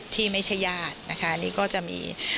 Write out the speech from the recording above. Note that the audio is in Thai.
ที่ไม่ใช่ญาตินะคะนี่ก็จะมี